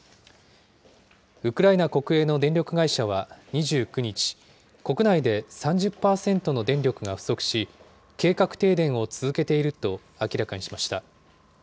ウクライナ国営の電力会社は２９日、国内で３０％の電力が不足し、計画停電を続けていると明らかにしました。